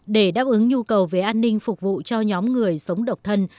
để đáp ứng nhu cầu về an ninh phục vụ cho nhóm người sống độc thân